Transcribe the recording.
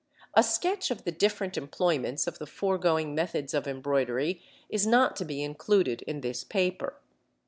A sketch of the different employments of the foregoing methods of embroidery is not to be included in this paper.